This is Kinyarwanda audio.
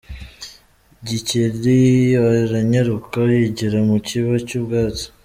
Gikeli aranyaruka yigira mu kiba cy’ubwatsi.